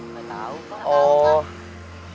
gak tau kak